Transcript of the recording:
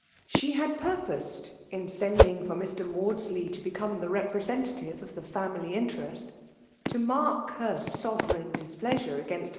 She had purposed^ in sending for Mr, Maudsl)$y^to become the representative of the lami^'jnti?i r^sty to mark her sovereign displeasure agftiiH^.